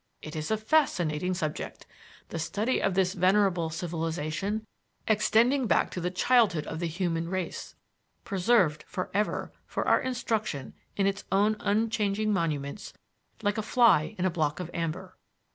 "It is a fascinating subject, the study of this venerable civilization, extending back to the childhood of the human race, preserved for ever for our instruction in its own unchanging monuments like a fly in a block of amber.